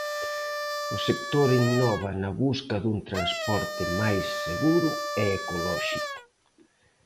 O sector innova na busca dun transporte máis seguro e ecolóxico.